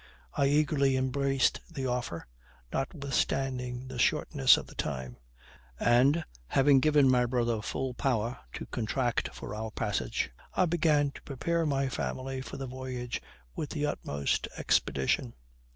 I eagerly embraced the offer, notwithstanding the shortness of the time; and, having given my brother full power to contract for our passage, I began to prepare my family for the voyage with the utmost expedition.